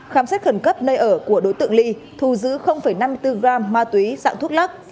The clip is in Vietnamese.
khám xét khẩn cấp nơi ở của đối tượng ly thu giữ năm mươi bốn gram ma túy dạng thuốc lắc